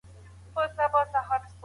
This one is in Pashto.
هوښيار عبرت اخلي